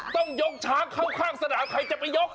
ต้องยกช้างเข้าข้างสนามใครจะไปยก